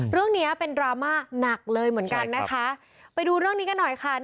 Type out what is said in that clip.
เรื่องเนี้ยเป็นดราม่าหนักเลยเหมือนกันนะคะไปดูเรื่องนี้กันหน่อยค่ะ